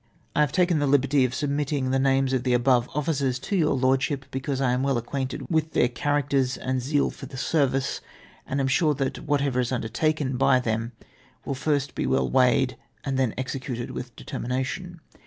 " I have taken the liberty of submitting the names of the above officers to your Lordship, because I am well acquainted with their characters and zeal for the service, and am sure that whatever is undertaken by them will first be well weighed, and then executed with determination.